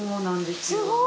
すごい！